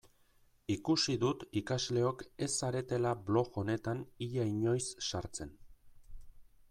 Ikusi dut ikasleok ez zaretela blog honetan ia inoiz sartzen.